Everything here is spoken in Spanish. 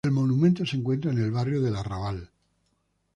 El monumento se encuentra en el barrio del Arrabal.